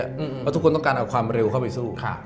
เพราะทุกคนต้องการเอาความเร็วเข้าไปสู้